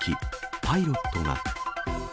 パイロットが。